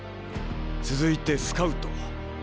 続いてスカウト。